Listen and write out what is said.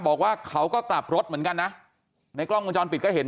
บอกว่าเขาก็กลับรถเหมือนกันนะในกล้องวงจรปิดก็เห็น